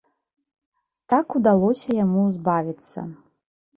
Так удалося яму збавіцца.